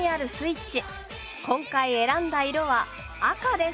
今回選んだ色は赤です。